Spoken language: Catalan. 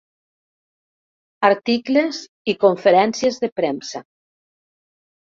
Articles i conferències de premsa.